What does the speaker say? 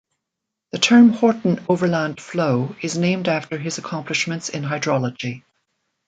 The term Horton overland flow is named after his accomplishments in hydrology.